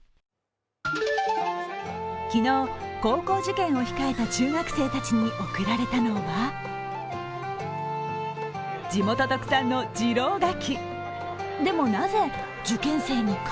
昨日、高校受験を控えた中学生たちに贈られたのは地元特産の次郎柿。